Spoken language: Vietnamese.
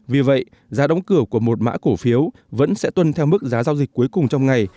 vì vậy giá đóng cửa của một mã cổ phiếu vẫn sẽ tuân theo mức giá giao dịch cuối cùng trong ngày